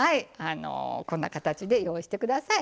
こんな形で用意して下さい。